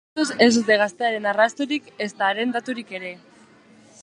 Momentuz, ez dute gaztearen arrastorik, ezta haren daturik ere.